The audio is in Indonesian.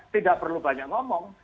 tidak perlu banyak ngomong